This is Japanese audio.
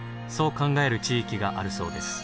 考える地域があるそうです。